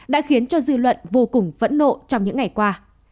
đã khiến cho dư luận vô cùng phẫn nộ trong những ngày qua